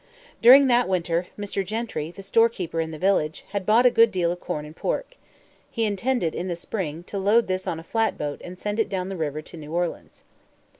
During that winter, Mr. Gentry, the storekeeper in the village, had bought a good deal of corn and pork. He intended, in the spring, to load this on a flatboat and send it down the river to New Orleans.